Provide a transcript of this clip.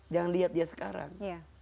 jangan lihat dia sekarang